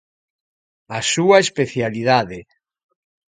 A súa especialidade